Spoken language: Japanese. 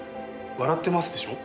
笑ってますでしょ？